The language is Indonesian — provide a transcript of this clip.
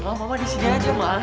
ma udah mama mama di sini aja ma